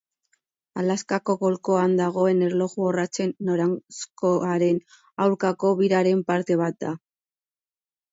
Alaskako golkoan dagoen erloju-orratzen noranzkoaren aurkako biraren parte bat da.